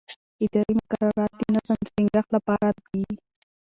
اداري مقررات د نظم د ټینګښت لپاره دي.